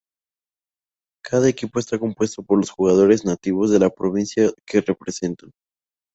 Cada equipo está compuesto por los jugadores nativos de la provincia que representan.